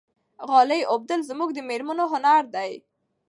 غالۍ اوبدل زموږ د مېرمنو هنر دی.